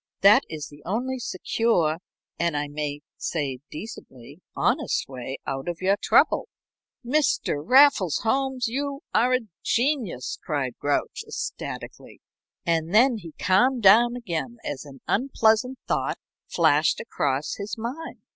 That is the only secure and I may say decently honest way out of your trouble." "Mr. Raffles Holmes, you are a genius!" cried Grouch, ecstatically. And then he calmed down again as an unpleasant thought flashed across his mind.